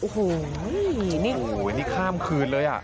โอ้โหอันนี้ข้ามคืนเลยอ่ะ